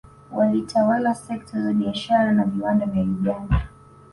Walitawala sekta za biashara na viwanda vya Uganda